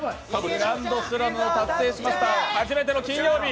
グランドスラムを達成しました初めての金曜日。